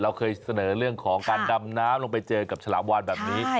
เราเคยเสนอเรื่องของการดำน้ำลงไปเจอกับฉลามวานแบบนี้